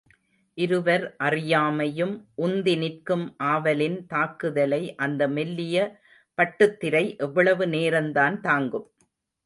இருவர் அறியாமையும் உந்தி நிற்கும் ஆவலின் தாக்குதலை அந்த மெல்லிய பட்டுத்திரை எவ்வளவு நேரந்தான் தாங்கும்?